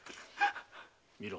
見ろ